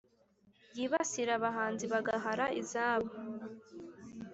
yibasira abahanzi bagahara izabo.